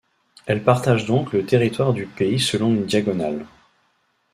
Elle partage donc le territoire du pays selon une diagonale.